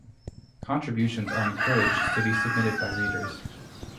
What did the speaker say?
Contributions are encouraged to be submitted by readers.